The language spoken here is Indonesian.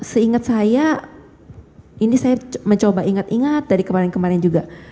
seingat saya ini saya mencoba ingat ingat dari kemarin kemarin juga